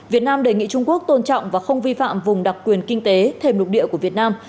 việt nam đề nghị trung quốc tôn trọng và không vi phạm vùng đặc quyền kinh tế thêm lục địa của việt nam